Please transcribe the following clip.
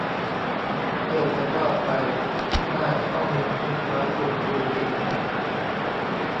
เอ้อ จะว่าไป หน้าข้อมูลค้นคว้ากลุ่มดูดีนะ